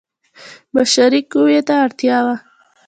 بشري قوې ته اړتیا وه.